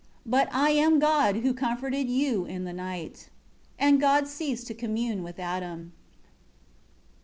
12 But I am God who comforted you in the night." 13 And God ceased to commune with Adam.